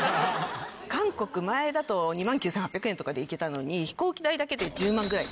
韓国前だと２万９８００円とかで行けたのに飛行機代だけで１０万ぐらい。